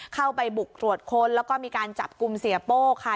เข้าไปบุกตรวจค้นแล้วก็มีการจับกลุ่มเสียโป้ค่ะ